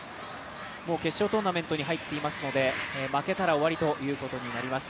決勝トーナメントに入っていますので、負けたら終わりということになります。